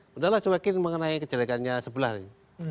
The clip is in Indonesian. mudah lah cuekin mengenai kejelekannya sebelah nih